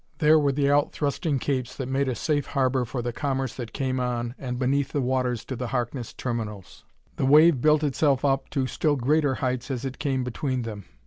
There were the out thrusting capes that made a safe harbor for the commerce that came on and beneath the waters to the Harkness Terminals; the wave built itself up to still greater heights as it came between them.